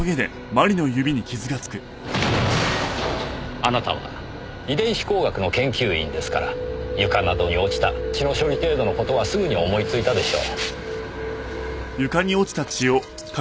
あなたは遺伝子工学の研究員ですから床などに落ちた血の処理程度の事はすぐに思いついたでしょう。